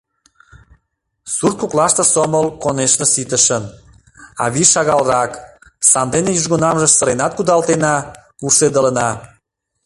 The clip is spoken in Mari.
Сурткоклаште сомыл, конешне, ситышын, а вий шагалрак, сандене южгунамже сыренат кудалтена, вурседылына.